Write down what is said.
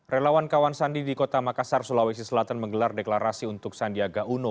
relawan kawan sandi di kota makassar sulawesi selatan menggelar deklarasi untuk sandiaga uno